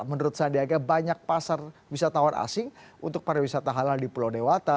menurut sandiaga banyak pasar wisatawan asing untuk pariwisata halal di pulau dewata